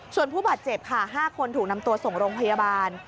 ส่วนผู้บาดเจ็บค่ะ๕คนถูกนำตัวส่งโรงพยาบาล